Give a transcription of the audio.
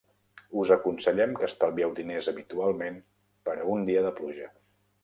Us aconsellem que estalvieu diners habitualment per a un dia de pluja.